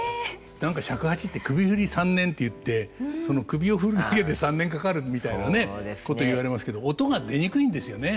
何か尺八って「首振り３年」っていって首を振るだけで３年かかるみたいなこと言われますけど音が出にくいんですよね。